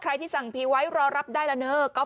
ที่สั่งผีไว้รอรับได้แล้วเนอะ